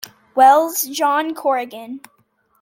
Wells, John Corrigan.